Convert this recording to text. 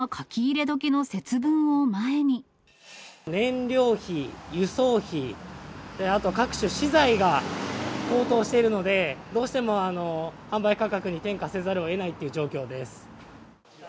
ところが、燃料費、輸送費、あと各種資材が高騰しているので、どうしても販売価格に転嫁せざるをえないという状況です。